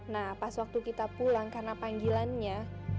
nah pas waktu kita pulang karena panggilannya